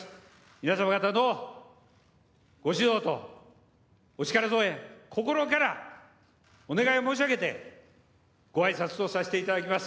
皆様方の御指導とお力添え心からお願い申し上げて御挨拶とさせていただきます。